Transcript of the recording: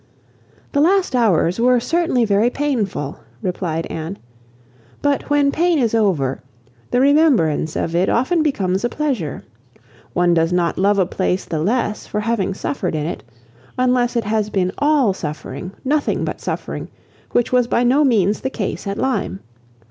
"The last hours were certainly very painful," replied Anne; "but when pain is over, the remembrance of it often becomes a pleasure. One does not love a place the less for having suffered in it, unless it has been all suffering, nothing but suffering, which was by no means the case at Lyme.